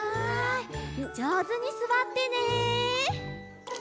じょうずにすわってね！